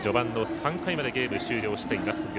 ３回の裏までゲーム終了しています。